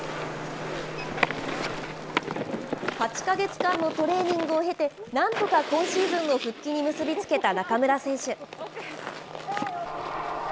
８か月間のトレーニングを経て、なんとか今シーズンの復帰に結び付けた中村選手。